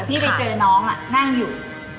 เกินไปตามทางแล้วพี่ไปเจอน้องน่ะนั่งอยู่